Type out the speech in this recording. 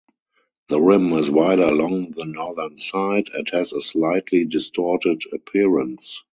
The rim is wider along the northern side, and has a slightly distorted appearance.